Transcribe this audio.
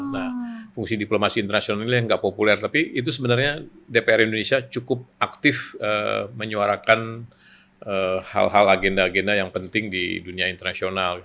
nah fungsi diplomasi internasional ini yang nggak populer tapi itu sebenarnya dpr indonesia cukup aktif menyuarakan hal hal agenda agenda yang penting di dunia internasional